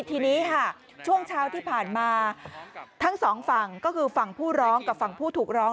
ทีนี้ค่ะช่วงเช้าที่ผ่านมาทั้งสองฝั่งก็คือฝั่งผู้ร้องกับฝั่งผู้ถูกร้อง